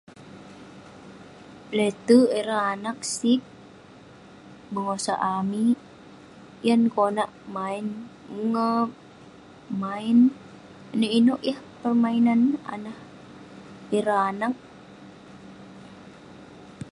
Lete'erk ireh anag sig bengosak amik, yan neh konak maen ungap, maen inouk inouk yah permainan anah ireh anag.